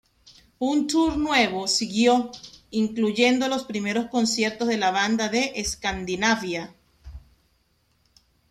Un tour nuevo siguió, incluyendo los primeros conciertos de la banda en Escandinavia.